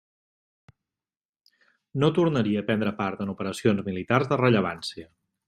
No tornaria a prendre part en operacions militars de rellevància.